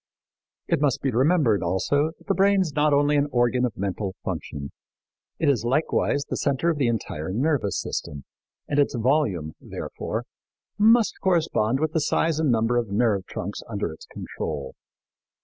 It must be remembered, also, that the brain is not only an organ of mental function. It is likewise the center of the entire nervous system, and its volume, therefore, must correspond with the size and number of nerve trunks under its control.